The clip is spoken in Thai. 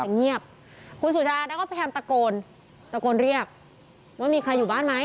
แต่เงียบคุณสุชานั้นก็พยายามตะโกนตะโกนเรียกว่ามีใครอยู่บ้านไหม